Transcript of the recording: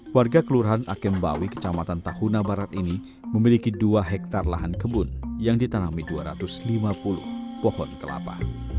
warga kelurahan akembawi kecamatan tahuna barat ini memiliki dua hektare lahan kebun yang ditanami dua ratus lima puluh pohon kelapa